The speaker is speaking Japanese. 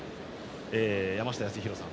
山下泰裕さん